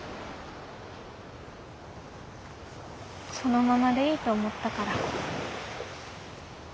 そのままでいいと思ったから。